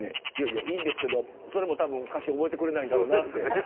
いいんですけど、それも歌詞覚えてくれないんだろうなって。